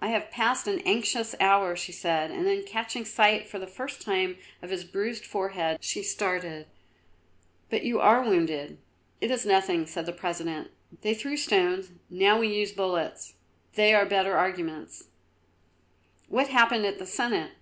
"I have passed an anxious hour," she said, and then, catching sight for the first time of his bruised forehead, she started. "But you are wounded." "It is nothing," said the President. "They threw stones; now, we used bullets; they are better arguments." "What happened at the Senate?"